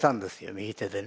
右手でね。